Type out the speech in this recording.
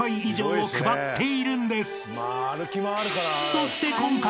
［そして今回］